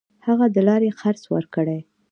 هغه د لارې خرڅ ورکړي.